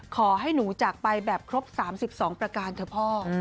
ขอให้หนูจากไปแบบครบ๓๒ประการเถอะพ่อ